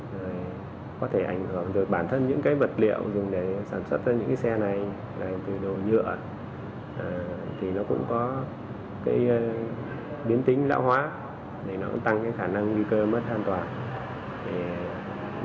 rồi có thể ảnh hưởng rồi bản thân những cái vật liệu dùng để sản xuất cho những cái xe này từ đồ nhựa thì nó cũng có cái biến tính lão hóa để nó cũng tăng cái khả năng nguy cơ mất an toàn